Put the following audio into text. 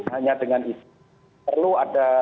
hanya dengan itu perlu ada